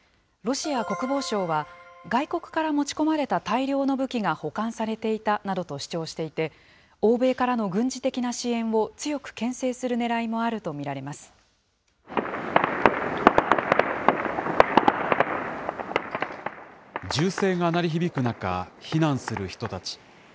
ロシア国防省は、外国から持ち込まれた大量の武器が保管されていたなどと主張していて、欧米からの軍事的な支援を強くけん制するねらいもあると見られま銃声が鳴り響く中、避難する人たち。